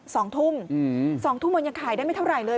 สองทุ่มอืมสองทุ่มมันยังขายได้ไม่เท่าไหร่เลย